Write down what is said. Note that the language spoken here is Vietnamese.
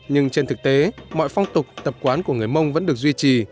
nhưng trên thực tế mọi phong tục tập quán của người mông vẫn được duy trì